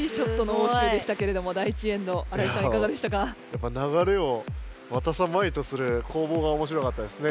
やっぱ流れをわたさまいとするこうぼうがおもしろかったですね。